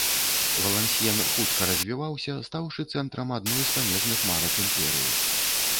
Валансьен хутка развіваўся, стаўшы цэнтрам адной з памежных марак імперыі.